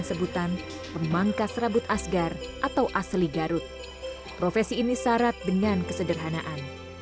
sebutan memangkas rambut asgar atau asli garut profesi ini syarat dengan kesederhanaan